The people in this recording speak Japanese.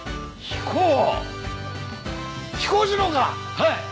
はい！